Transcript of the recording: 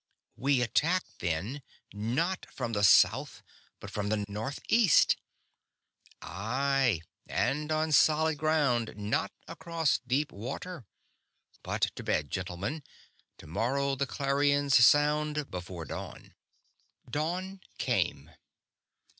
"We attack then, not from the south but from the north east!" "Aye, and on solid ground, not across deep water. But to bed, gentlemen tomorrow the clarions sound before dawn!" Dawn came.